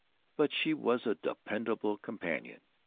But she was a dependable companion.